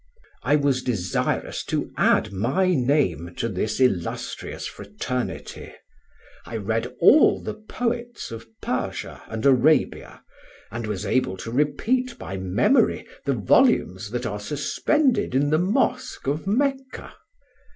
"I was desirous to add my name to this illustrious fraternity. I read all the poets of Persia and Arabia, and was able to repeat by memory the volumes that are suspended in the mosque of Mecca.